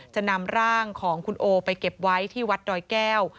จะนำร่างของคุณโอไปเก็บไว้ที่วัดดอยแก้ว